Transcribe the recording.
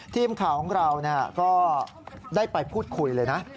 ทีมข่าวของเราก็ได้ไปพูดคุยเลยนะ